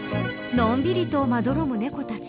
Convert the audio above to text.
のんびりとまどろむ猫たち。